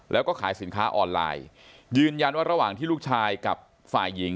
แล้วก็ขายสินค้าออนไลน์ยืนยันว่าระหว่างที่ลูกชายกับฝ่ายหญิง